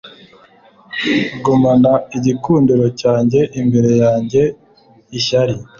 gumana igikundiro cyanjye imbere yanjye ishyari